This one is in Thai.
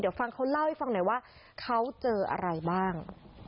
เดี๋ยวฟังเขาเล่าให้ฟังหน่อยว่าเขาเจออะไรบ้าง